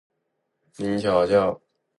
您瞧瞧，这叫一个地道！